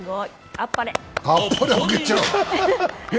あっぱれあげちゃう？